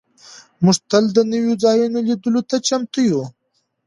موږ تل د نویو ځایونو لیدلو ته چمتو یو.